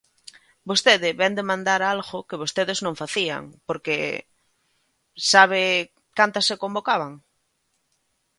Vostede vén demandar algo que vostedes non facían, porque, ¿sabe cantas se convocaban?